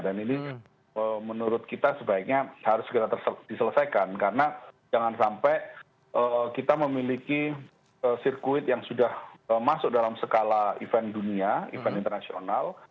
dan ini menurut kita sebaiknya harus diselesaikan karena jangan sampai kita memiliki sirkuit yang sudah masuk dalam skala event dunia event internasional